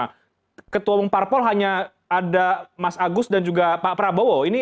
nah ketua umum parpol hanya ada mas agus dan juga pak prabowo